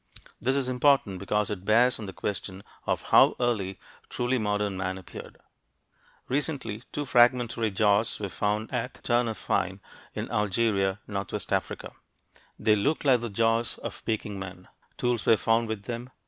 This is important because it bears on the question of how early truly "modern" man appeared. Recently two fragmentary jaws were found at Ternafine in Algeria, northwest Africa. They look like the jaws of Peking man. Tools were found with them.